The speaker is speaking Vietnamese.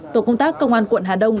tổ công tác công an quận hà đông